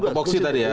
tupoksi tadi ya